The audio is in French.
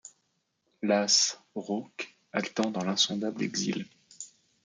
Las, rauque, haletant dans l’insondable exil :